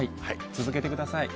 続けてください。